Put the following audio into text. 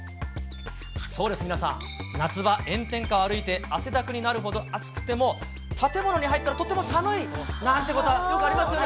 そうです、皆さん、夏場、炎天下を歩いて汗だくになるほど暑くても、建物に入ったらとっても寒いなんてことはよくありますよね。